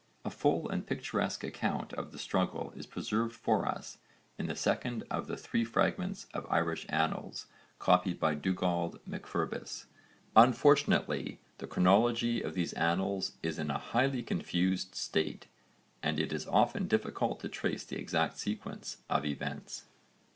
A full and picturesque account of the struggle is preserved for us in the second of the Three Fragments of Irish Annals copied by Dugald MacFirbis. Unfortunately the chronology of these annals is in a highly confused state and it is often difficult to trace the exact sequence of events.